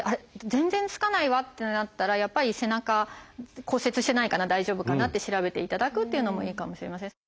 全然つかないわってなったらやっぱり背中骨折してないかな大丈夫かなって調べていただくっていうのもいいかもしれません。